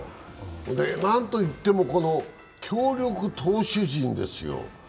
何と言っても強力投手陣ですよ。